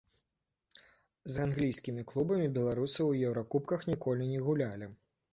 З англійскімі клубамі беларусы ў еўракубках ніколі не гулялі.